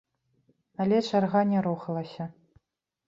Але чарга не рухалася!